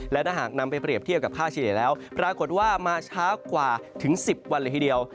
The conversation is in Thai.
และถ้าหากนำไปเรียบเทียบกับค่าเฉลี่ยแล้วปรากฏว่ามาช้ากว่าถึง๑๐วันเลยทีเดียว